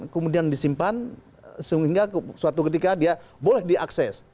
kemudian disimpan sehingga suatu ketika dia boleh diakses